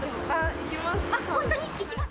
行きます？